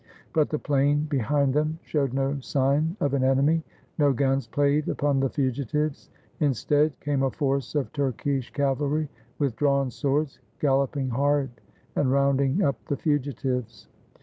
But the plain behind them showed no sign of an enemy. No guns played upon the fugitives. Instead came a force of Turkish cavalry with drawn swords, galloping hard and rounding up the fugitives.